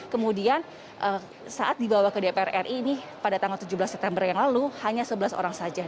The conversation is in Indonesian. kemudian saat dibawa ke dpr ri ini pada tanggal tujuh belas september yang lalu hanya sebelas orang saja